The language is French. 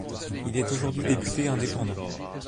Il est aujourd'hui député indépendant.